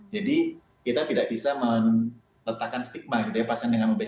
jadi kita tidak bisa meletakkan stigma gitu ya pasien dengan obesitas